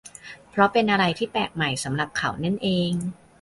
เพราะเป็นอะไรที่แปลกใหม่สำหรับเขานั่นเอง